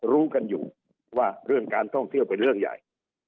รู้กันอยู่ว่าเรื่องการท่องเที่ยวเป็นเรื่องใหญ่